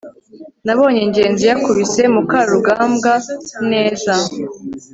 nabonye ngenzi yakubise mukarugambwa neza